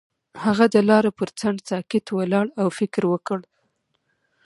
هغه د لاره پر څنډه ساکت ولاړ او فکر وکړ.